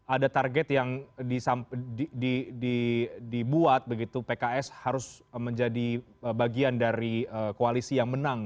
ada target yang dibuat begitu pks harus menjadi bagian dari koalisi yang menang